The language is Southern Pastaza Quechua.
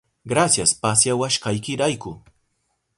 Grasias pasyawashkaykirayku.